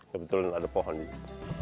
kebetulan ada pohon di sini